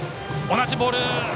同じボール！